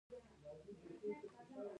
ایا زه باید کولونوسکوپي وکړم؟